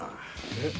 えっ？